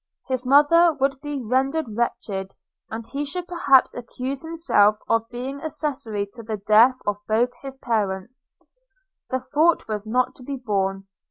His mother would be rendered wretched, and he should perhaps accuse himself of being accessary to the death of both his parents: – the thought was not to be borne.